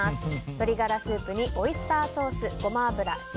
鶏ガラスープにオイスターソースゴマ油、塩、